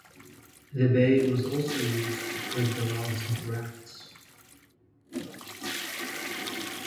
The bay was also used to crib the logs into rafts.